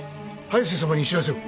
早瀬様に知らせろ。